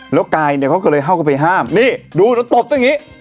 แล้วกายเนี่ยเขาก็เลยเข้ากลับไปห้ามนี่ดูแล้วตบตั้งงี้